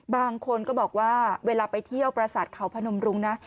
บางคนก็บอกว่าเวลาไปเที่ยวประสาทเขาพนมรุงนะ